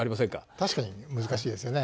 確かに難しいですよね。